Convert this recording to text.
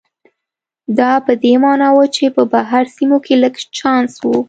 دا په دې معنا و چې په بهر سیمو کې لږ چانس و.